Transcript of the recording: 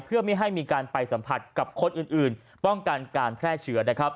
เพื่อไม่ให้มีการไปสัมผัสกับคนอื่นป้องกันการแพร่เชื้อนะครับ